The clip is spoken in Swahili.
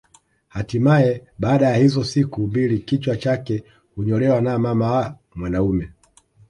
Hatimae baada ya hizo siku mbili kichwa cha mke hunyolewa na mama wa mwanaume